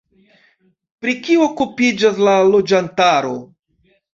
Pri kio okupiĝas la loĝantaro?